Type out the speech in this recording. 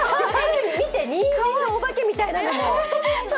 見て、にんじんのお化けみたいなのも！